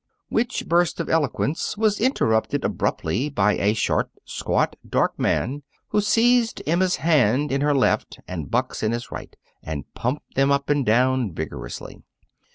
Which burst of eloquence was interrupted abruptly by a short, squat, dark man, who seized Emma's hand in his left and Buck's in his right, and pumped them up and down vigorously.